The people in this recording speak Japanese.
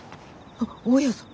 あっ大家さん。